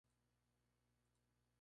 El sospechoso luego se pegó un tiro.